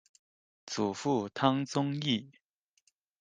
祖父汤宗义。